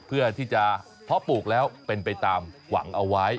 เพื่อที่จะเพาะปลูกแล้วเป็นไปตามหวังเอาไว้